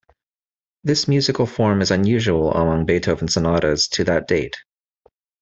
This musical form is unusual among Beethoven sonatas to that date.